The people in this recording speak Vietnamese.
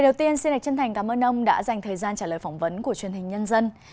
trước tiên xin đạch chân thành cảm ơn ông đã dành thời gian trả lời phỏng vấn của truyền hình nhân dân